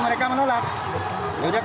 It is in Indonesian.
kami kan belum membaca apa apa